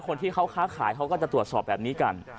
คนที่เขาค้าขายเขาก็จะตรวจสอบแบบนี้กัน